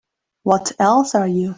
What else are you?